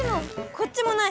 こっちもない！